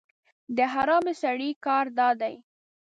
د حرامي سړي کار دا دی